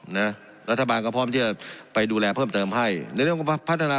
นะรัฐบาลก็พร้อมที่จะไปดูแลเพิ่มเติมให้ในเรื่องของพัฒนา